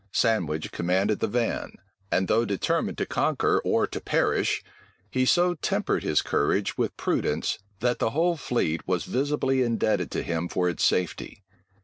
Sandwich commanded the van; and though determined to conquer or to perish, he so tempered his courage with prudence, that the whole fleet was visibly indebted to him for its safety.